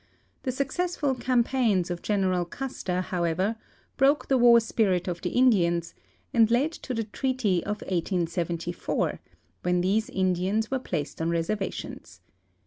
The successful campaigns of General Custer, however, l)roke the war spirit of the Indians and led to the treaty of 1874, when these Indians were placed on reservations.